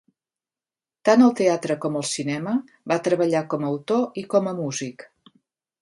Tant al teatre com al cinema, va treballar com autor i com a músic.